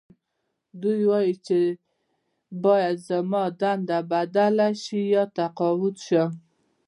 دوی وايي چې باید زما دنده بدله شي یا تقاعد شم